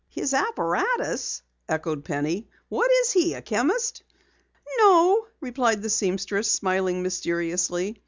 "His apparatus?" echoed Penny. "What is he, a chemist?" "No," replied the seamstress, smiling mysteriously.